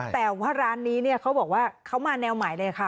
แต่ว่าร้านนี้เนี่ยเขาบอกว่าเขามาแนวใหม่เลยค่ะ